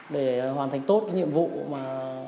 để hoàn thành tốt cái nhiệm vụ mà